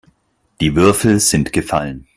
Die Würfel sind gefallen.